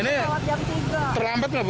ini terlambat gak bu